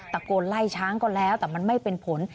ตะโกนไล่ช้างก็แล้วแต่มันไม่เป็นผล